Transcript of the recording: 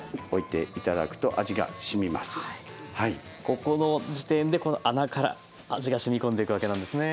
ここの時点でこの穴から味がしみこんでいくわけなんですね。